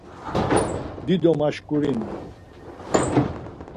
Dido maşkurinu.